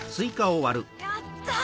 やった！